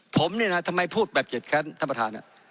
ผมทำไมพูดแบบเจ็ดแค้นท่านประธาน